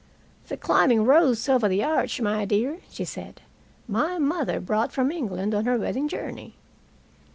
"The climbing rose over the arch, my dear," she said, "my mother brought from England on her wedding journey.